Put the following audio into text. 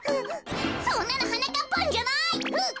そんなのはなかっぱんじゃない！